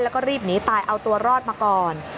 แล้วก็รีบหนีตายเอาตัวรอดมาก่อน